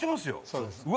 そうです。